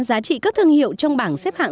giá trị các thương hiệu trong bảng xếp hạng